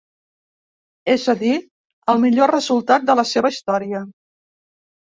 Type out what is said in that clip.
És a dir, el millor resultat de la seva història.